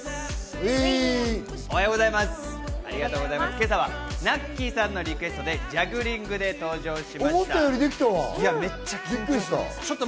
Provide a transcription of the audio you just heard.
今朝はナッキーさんのリクエストでジャグリングで登場しました。